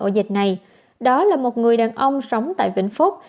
đó là một người đàn ông sống tại vĩnh phúc